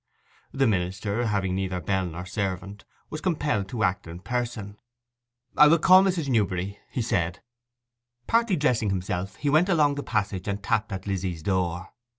The minister, having neither bell nor servant, was compelled to act in person. 'I will call Mrs. Newberry,' he said. Partly dressing himself; he went along the passage and tapped at Lizzy's door.